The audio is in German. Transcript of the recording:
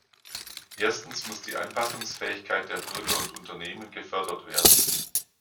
Erstens muss die Anpassungsfähigkeit der Bürger und Unternehmen gefördert werden.